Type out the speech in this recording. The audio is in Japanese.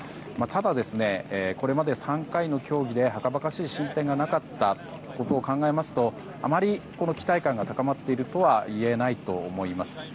ただ、これまで３回の協議ではかばかしい進展がなかったことを考えますとあまり期待感が高まっているとはいえないと思います。